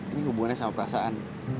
ini hubungannya sama perasaan